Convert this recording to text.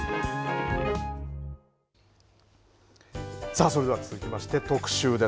さあ、それでは続きまして特集です。